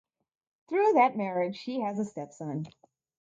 Through that marriage, she has a stepson.